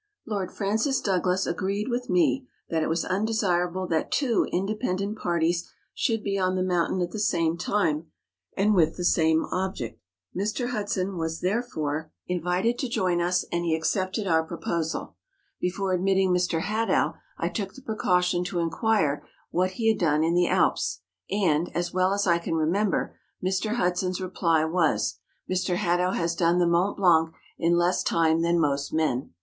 Lord Francis Douglas agreed with me that it was undesirable that two independent parties should be on the mountain at the same time, and with the same object. Mr. Hudson was therefore H 98 MOUNTAIN ADVENTUKES. invited to join us, and he accepted our proposal. Before admitting Mr. Hadow I took the precaution to inquire what he had done in the Alps; and, as well as I can remember, Mr. Hudson's reply was, ' Mr. Hadow has done the Mont Blanc in less time than most men.